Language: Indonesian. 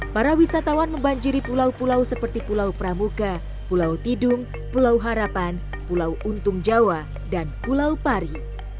para wisatawan membanjiri pulau pulau seperti pulau pramuka pulau tidung pulau harapan pulau untung jawa dan pulau pari